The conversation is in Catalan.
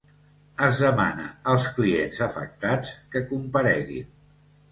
Es demana als clients afectats que compareguin.